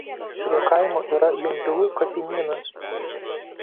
Prie kaimo yra Junkilų kapinynas.